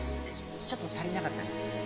ちょっと足りなかった。